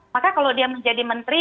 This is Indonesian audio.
maka kalau dia menjadi menteri